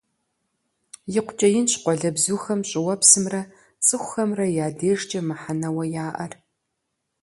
ИкъукӀэ инщ къуалэбзухэм щӀыуэпсымрэ цӀыхухэмрэ я дежкӀэ мыхьэнэуэ яӀэр.